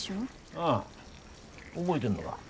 ああ覚えでんのが。